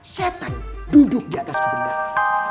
setan duduk di atas kebenaran